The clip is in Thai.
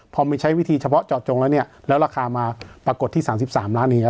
พอไม่ใช้วิธีเฉพาะเจาะจงแล้วเนี้ยแล้วราคามาปรากฏที่สามสิบสามล้านเนี้ย